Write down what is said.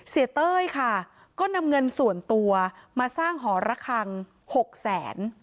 เต้ยค่ะก็นำเงินส่วนตัวมาสร้างหอระคัง๖แสน